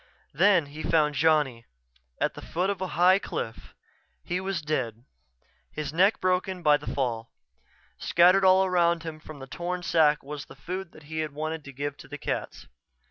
Then he found Johnny, at the foot of a high cliff. He was dead, his neck broken by the fall. Scattered all around him from the torn sack was the food he had wanted to give to the cats.